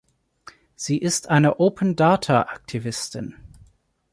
Sie ist eine Open-Data-Aktivistin.